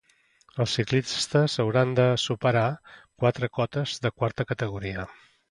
Els ciclistes hauran de superar quatre cotes de quarta categoria.